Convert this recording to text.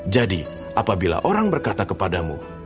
jadi apabila orang berkata kepadamu